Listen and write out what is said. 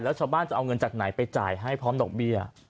แล้วชาวบ้านจะเอาเงินจากไหนไปจ่ายให้พร้อมดอกเบี้ย